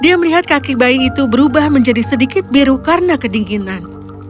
dia melihat kaki bayi itu berubah menjadi sedikit biru karena kedinginan